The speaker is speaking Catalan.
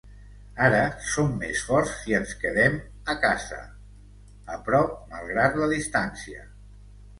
Ara som més forts si ens quedem a casa, a prop malgrat la distància.